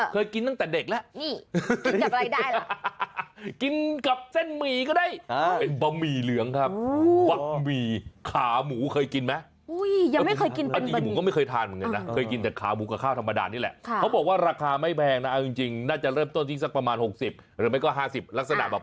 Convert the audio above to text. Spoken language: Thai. เคยกินตั้งแต่เด็กละ